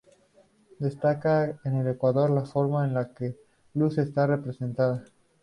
Destaca en el cuadro la forma en que la luz está representada.